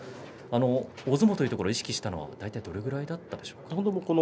大相撲を意識したのは、大体どれぐらいだったんでしょうか？